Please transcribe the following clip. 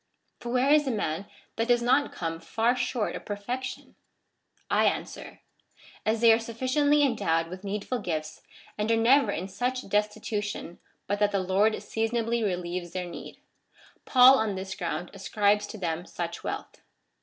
For where is the man that does not come far short of perfection ? I answer, " As they are sufficiently endowed with needful gifts, and are never in such destitution but that the Lord seasonably relieves their need ; Paul on this ground ascribes to them such wealth."